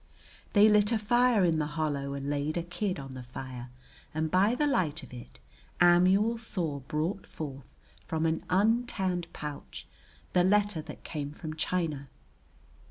They lit a fire in the hollow and laid a kid on the fire and by the light of it Amuel saw brought forth from an untanned pouch the letter that came from China.